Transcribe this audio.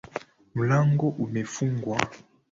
Mlango umefungwa